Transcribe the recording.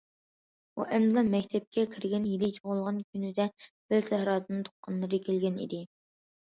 ئۇ ئەمدىلا مەكتەپكە كىرگەن يىلى تۇغۇلغان كۈنىدە دەل سەھرادىن تۇغقانلىرى كەلگەن ئىدى.